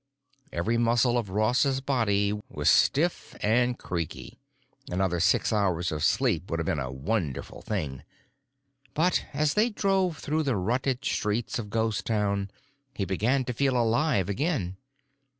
Every muscle of Ross's body was stiff and creaky; another six hours of sleep would have been a wonderful thing. But as they drove through the rutted streets of Ghost Town he began to feel alive again.